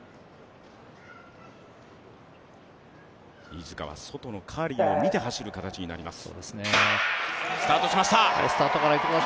飯塚は外のカーリーを見て走る形になります。